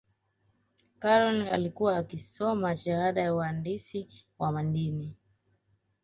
karol alikiuwa akisoma shahada ya uhandisi wa mandini